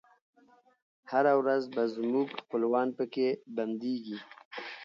هره ورځ به زموږ خپلوان پکښي بندیږی